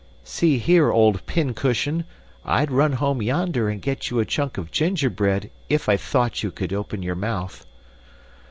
"See here, old pincushion, I'd run home yonder and get you a chunk of gingerbread if I thought you could open your mouth."